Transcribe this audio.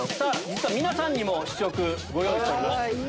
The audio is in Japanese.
実は皆さんにも試食ご用意しております。